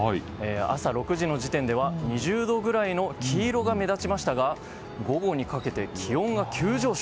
朝６時の時点では２０度ぐらいの黄色が目立ちましたが午後にかけて気温が急上昇。